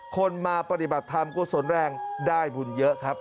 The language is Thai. คนมาปฏิบัติทำกว่าสนแรงได้บุญเยอะครับ